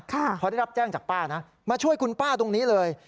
พอได้รับแจ้งจากป้านะมาช่วยคุณป้าตรงนี้เลย